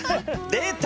出た！